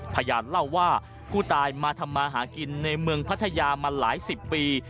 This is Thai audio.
พยานเล่าว่าผู้ตายมาทำมาหากินในเมืองพัทยามาหลายสิบปี